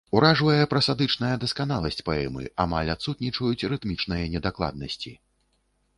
Уражвае прасадычная дасканаласць паэмы, амаль адсутнічаюць рытмічныя недакладнасці.